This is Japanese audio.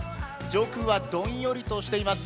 上空はどんよりとしています。